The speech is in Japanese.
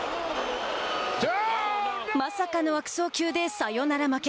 まさかの悪送球でサヨナラ負け。